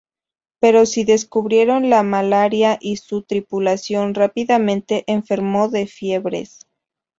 Pero si descubrieron la malaria, y su tripulación rápidamente enfermó de fiebres.